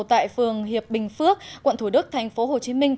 tại phường hiệp bình phước quận thủ đức tp hcm